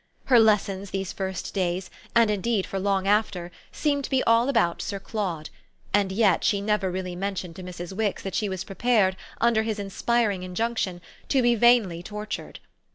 Her lessons these first days and indeed for long after seemed to be all about Sir Claude, and yet she never really mentioned to Mrs. Wix that she was prepared, under his inspiring injunction, to be vainly tortured.